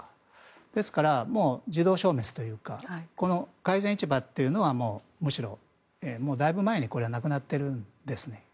ですから、自動消滅というか海鮮市場というのはむしろだいぶ前になくなっているんです。